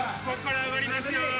ここから上がりますよ。